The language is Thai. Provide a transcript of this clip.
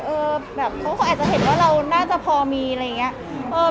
แบบเขาก็อาจจะเห็นว่าเราน่าจะพอมีอะไรอย่างนี้